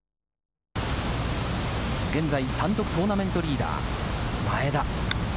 現在、単独トーナメントリーダー・前田。